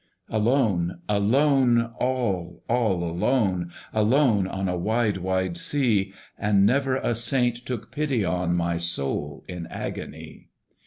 Alone, alone, all, all alone, Alone on a wide wide sea! And never a saint took pity on My soul in agony.